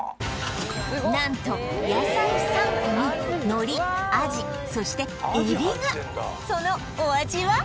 何と野菜３個に海苔アジそして海老がそのお味は？